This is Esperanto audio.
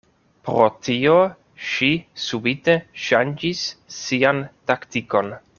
Pro tio, ŝi subite ŝanĝis sian taktikon.